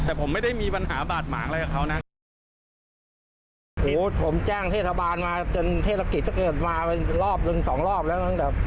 แต่ผมไม่ได้มีปัญหาบาดหมางอะไรกับเขานะโหผมแจ้งเทศบาลมาจนเทศกิจถ้าเกิดมาเป็นรอบหนึ่งสองรอบแล้วตั้งแต่